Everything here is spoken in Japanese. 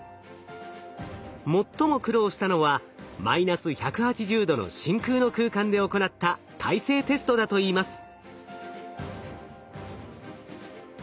最も苦労したのはマイナス１８０℃の真空の空間で行った耐性テストだといいます。